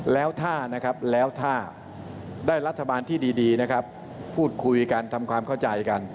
แล้วถ้านะครับแล้วถ้าได้รัฐบาลที่ดีนะครับพูดคุยกันทำความเข้าใจกัน